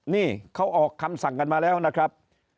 นี่เขาออกคำสั่งกันมาแล้วนะครับ